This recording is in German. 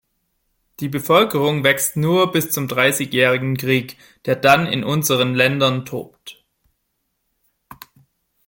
Die Bevölkerung wächst nur bis zum Dreißigjährigen Krieg, der dann in unseren Ländern tobt.